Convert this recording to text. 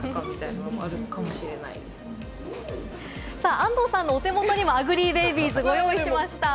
安藤さんのお手元にもアグリーベイビーズ、ご用意いたしました。